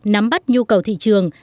nắm bắt nhu cầu thị trường